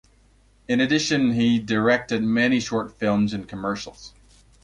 In addition he directed many short films and commercials.